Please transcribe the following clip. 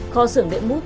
kho xưởng đệ mút